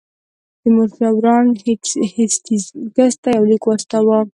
تیمورشاه وارن هیسټینګز ته یو لیک واستاوه.